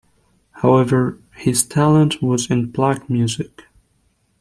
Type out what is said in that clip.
However, his talent was in black music.